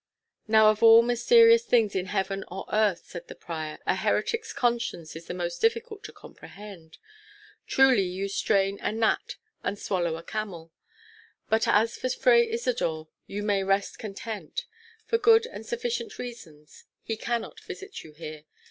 "Now, of all mysterious things in heaven or earth," said the prior, "a heretic's conscience is the most difficult to comprehend. Truly you strain at a gnat and swallow a camel. But as for Fray Isodor, you may rest content. For good and sufficient reasons, he cannot visit you here.